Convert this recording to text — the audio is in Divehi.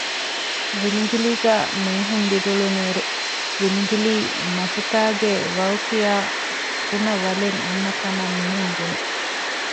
ވިލިގިލީގައި މީހުން ދިރިއުޅުނު އިރު ވިލިގިލީ މަފުތާގެ ވައު ކިޔާ ފުނަވަލެއް އޮންނަކަމަށް މީހުން ބުނެ